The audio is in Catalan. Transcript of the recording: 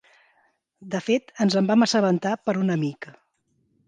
De fet ens en vam assabentar per un amic.